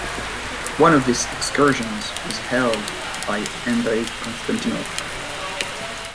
One of this excursions was held by Andrey Konstantinov.